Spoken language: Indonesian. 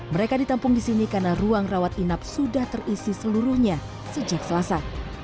mereka ditampung di sini karena ruang rawat inap sudah terisi seluruhnya sejak selasa